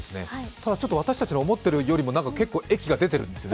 ただ、私たちの思っているよりも結構液が出ているんですよね。